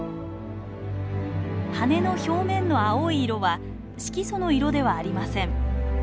羽の表面の青い色は色素の色ではありません。